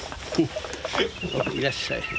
いらっしゃい。